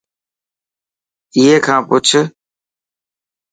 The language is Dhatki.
ائي کان پڇ.